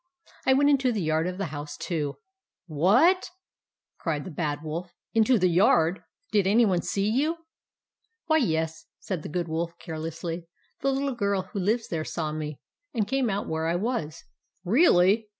I went into the yard of the house, too." 11 Wha a t ?" cried the Bad Wolf. " Into the yard ! Did any one see you ?"" Why, yes," said the Good Wolf, care lessly. " The little girl who lives there saw me, and came out where I was." " Really